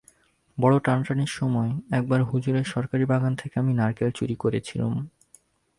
বড়ো টানাটানির সময় একবার হুজুরের সরকারি বাগান থেকে আমি নারকেল চুরি করেছিলুম।